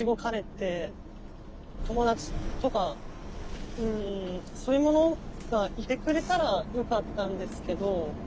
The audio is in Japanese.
友達とかそういうものがいてくれたらよかったんですけど。